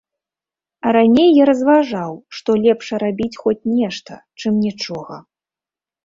Раней я разважаў, што лепш рабіць хоць нешта, чым нічога.